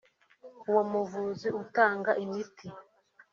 (Uwo muvuzi utanga imiti)